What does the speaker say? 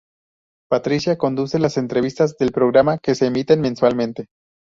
Patricia conduce las entrevistas del programa que se emiten mensualmente.